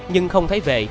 nhưng không thấy về